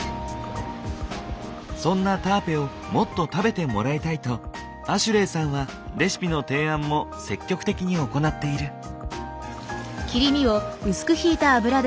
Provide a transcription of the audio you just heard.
そんなタアペをもっと食べてもらいたいとアシュレイさんはレシピの提案も積極的に行っている。